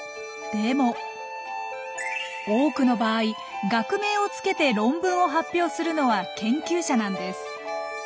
でも多くの場合学名をつけて論文を発表するのは研究者なんです。